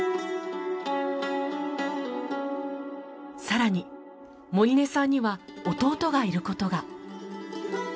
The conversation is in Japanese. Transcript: さらに盛根さんには弟がいることが。